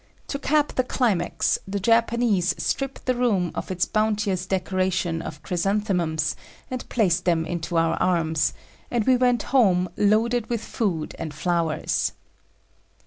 To cap the climax the Japanese stripped the room of its bounteous decoration of chrysanthemums and piled them into our arms and we went home loaded with food and flowers.